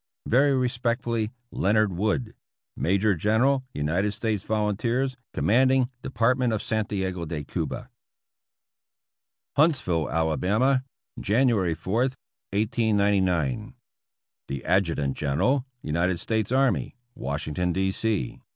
Very respectfully, Leonard Wood, Major General, United States Volunteers. Commanding Department of Santiago de Cuba. HuNTSviLLE, Ala., January 4, 1899. The Adjutant General, United States Army, Washington, D. C.